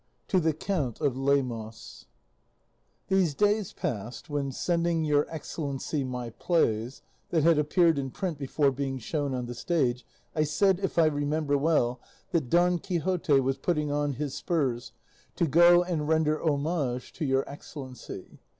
TO THE COUNT OF LEMOS: These days past, when sending Your Excellency my plays, that had appeared in print before being shown on the stage, I said, if I remember well, that Don Quixote was putting on his spurs to go and render homage to Your Excellency.